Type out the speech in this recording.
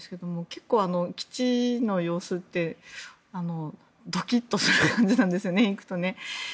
結構、基地の様子ってドキッとする感じなんですよね。